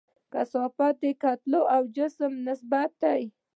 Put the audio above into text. کثافت د کتلې او حجم نسبت دی.